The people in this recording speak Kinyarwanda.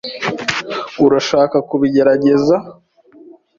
Urashaka kubigerageza?